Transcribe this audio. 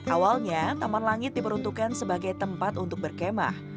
awalnya taman langit diperuntukkan sebagai tempat untuk berkemah